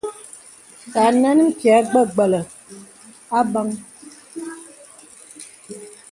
Tə̀ ànɛn m̀pyɛ̄t gbə̀gbə̀lə̀ àgbāŋ.